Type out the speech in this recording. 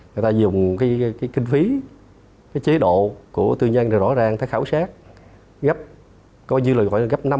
người ta dùng cái tư nhân người ta dùng cái tư nhân người ta dùng cái tư nhân người ta dùng cái tư nhân người ta dùng cái tư nhân người ta dùng cái tư nhân người ta dùng cái tư nhân